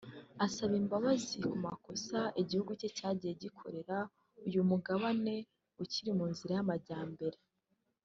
asaba imbabazi ku makosa igihugu cye cyagiye gikorera uyu mugabane ukiri mu nzira y’amajyambere